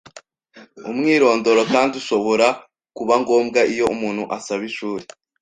Umwirondoro kandi ushobora kuba ngombwa iyo umuntu asaba ishuri